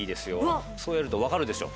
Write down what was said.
そうやると分かるでしょ？